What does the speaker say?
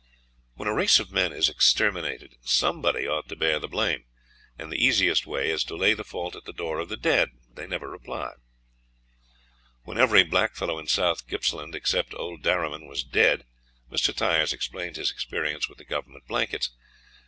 When a race of men is exterminated somebody ought to bear the blame, and the easiest way is to lay the fault at the door of the dead; they never reply. When every blackfellow in South Gippsland, except old Darriman, was dead, Mr. Tyers explained his experience with the Government blankets.